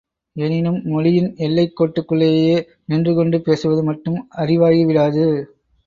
எனினும், மொழியின் எல்லைக் கோட்டுக்குள்ளேயே நின்றுகொண்டு பேசுவது மட்டும் அறிவாகிவிடாது.